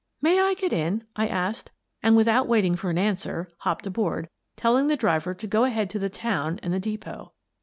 "May I get in?" I asked, and, without waiting for an answer, hopped aboard, telling the driver to go ahead to the town and the depot.